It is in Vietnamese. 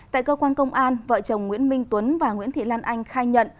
tại cơ quan công an vợ chồng nguyễn minh tuấn và nguyễn thị lan anh khai nhận